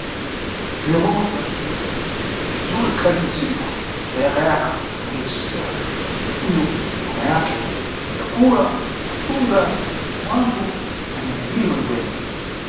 Tilewe pomwe bzwa Twitter, dzulo ikhali ntsiku ya kayakayaka mu rede social, mʼmbuyo mwa mahacker yatatukula mathungwa ya wanthu anyambiri kwenekwene.